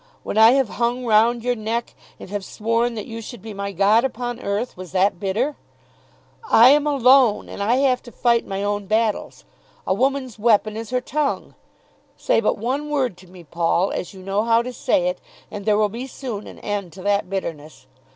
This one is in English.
When I have hung round your neck and have sworn that you should be my God upon earth, was that bitter? I am alone and I have to fight my own battles. A woman's weapon is her tongue. Say but one word to me, Paul, as you know how to say it, and there will be soon an end to that bitterness.